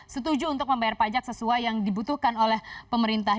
setuju untuk membayar pajak sesuai yang dibutuhkan oleh pemerintah